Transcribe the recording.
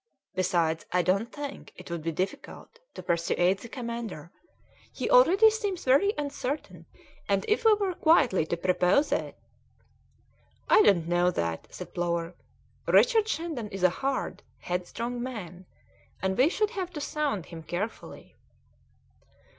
Besides, I don't think it would be difficult to persuade the commander; he already seems very uncertain, and if we were quietly to propose it " "I don't know that," said Plover; "Richard Shandon is a hard, headstrong man, and we should have to sound him carefully."